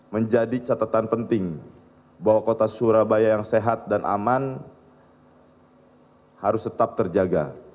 menjadi catatan penting bahwa kota surabaya yang sehat dan aman harus tetap terjaga